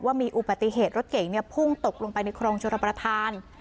ว่ามีอุบัติเหตุรถเก่งพุ่งตกลงไปในครองชนประธาน